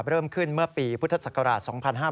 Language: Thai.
เริ่มขึ้นเมื่อปีพุทธศักราช๒๕๕๙